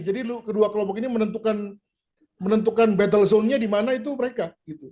jadi kedua kelompok ini menentukan battle zone nya dimana itu mereka